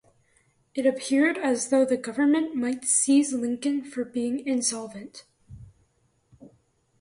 It appeared as though the government might seize Lincoln for being insolvent.